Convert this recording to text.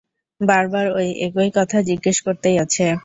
বার বার ঐ একই কথা জিজ্ঞেস করতেই আছে!